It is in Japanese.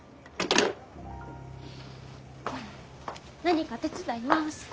何か手伝います。